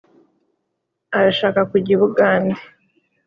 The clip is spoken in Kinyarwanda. • arashaka kujya i bugande.